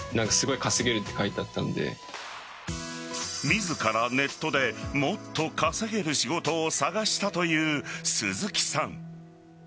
自らネットでもっと稼げる仕事を探したという鈴木さん。